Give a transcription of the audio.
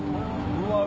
うわ